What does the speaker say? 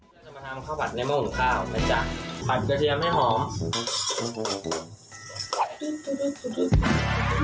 เราจะมาทำข้าวผัดในหม้อหุงข้าวนะจ๊ะผัดกระเทียมให้หอม